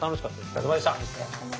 お疲れさまでした。